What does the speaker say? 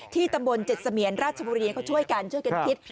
ตำบลเจ็ดเสมียนราชบุรีเขาช่วยกันช่วยกันคิด